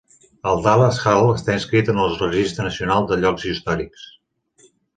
El Dallas Hall està inscrit en el Registre Nacional de Llocs Històrics.